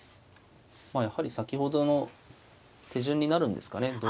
まあやはり先ほどの手順になるんですかね。